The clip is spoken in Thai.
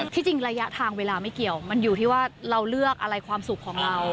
ที่จริงระยะทางเวลาไม่เกี่ยวมันอยู่ที่ว่าเราเลือกอะไรความสุขของเรา